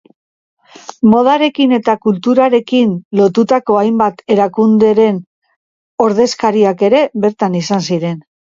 Modarekin eta kulturarekin lotutako hainbat erakunderen ordezkariak ere bertan izan ziren.